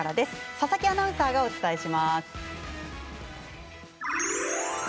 佐々木アナウンサーがお伝えします。